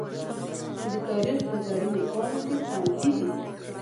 د تاریخ په زرینو پاڼو کې خوندي دي.